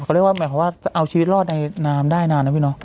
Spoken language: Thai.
เขาเรียกว่าหมายความว่าเอาชีวิตรอดในน้ำได้นานนะพี่น้อง